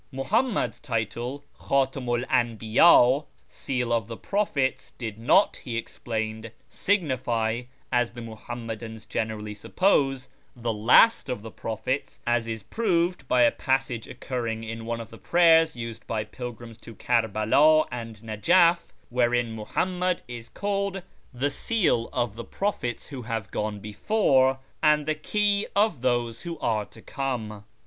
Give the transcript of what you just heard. Muhammad's title, Klidtamu 'l Anhiyd (" Seal of the Prophets "), did not, he j explained, signify, as the Muhammadans generally suppose, I " the last of the Prophets," as is proved by a passage occurring i in one of the prayers used by pilgrims to Kerbela and Nejef, wherein Muhammad is called " the Seal of the prophets who j have gone before, and the Key of those who are to come."